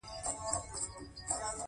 له دې صحرا څخه سلامت ووتلو.